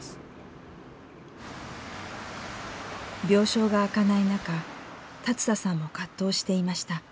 病床が空かない中龍田さんも葛藤していました。